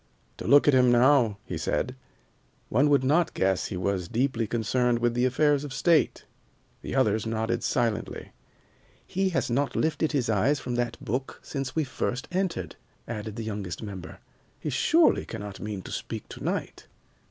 "To look at him now," he said, "one would not guess he was deeply concerned with the affairs of state." The others nodded silently. "He has not lifted his eyes from that book since we first entered," added the youngest member. "He surely cannot mean to speak to night."